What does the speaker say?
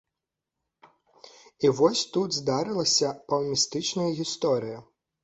І вось тут здарылася паўмістычная гісторыя.